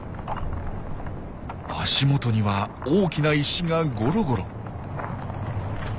足元には大きな石がゴロゴロ。